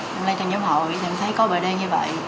lên trong nhóm hội em thấy có bờ đen như vậy